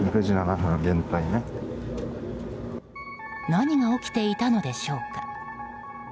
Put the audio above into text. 何が起きていたのでしょうか。